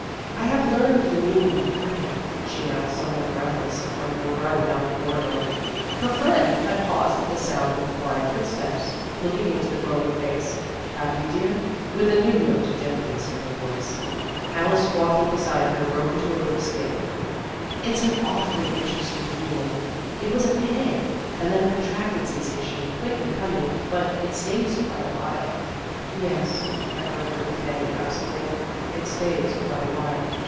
" I have learned the meaning of heartache," she announced, somewhat breathless from her run down the corridor. Her friend had paused at the sound of the flying footsteps. Looking into the In Search of Experience 13 glowing face, " Have you, dear?" with a new note of gentleness in her voice. Alice, walking beside her, broke into a little skip. " It 's an awfully interesting feeling. It was a pang and then a con tracted sensation quick in coming, but it stays quite a while." " Yes," echoed her companion absently, " it stays quite a while."